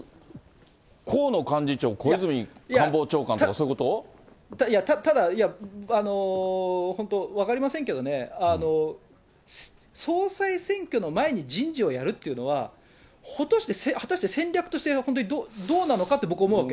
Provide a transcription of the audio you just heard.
河野幹事長、小泉官房長官とか、いや、ただ、本当、分かりませんけどね、総裁選挙の前に人事をやるというのは、果たして戦略として、本当にどうなのかと、僕は思うわけ。